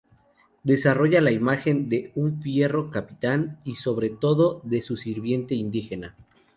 Desarrolla la imagen de un fiero capitán y, sobre todo, de su sirviente indígena.